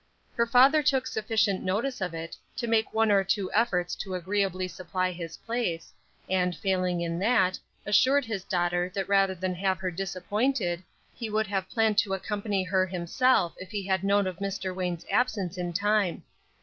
Her father took sufficient notice of it to make one or two efforts to agreeably supply his place, and failing in that, assured his daughter that rather than have her disappointed, he would have planned to accompany her himself if he had known of Mr. Wayne's absence in time.